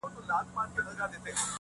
• د کور غل د لستوڼي مار وي -